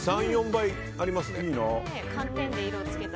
３４倍ありますね。